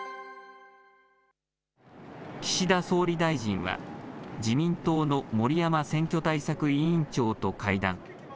岸田総理大臣は、自民党の森山選挙対策委員長と会談。